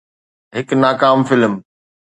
هڪ ناڪام فلم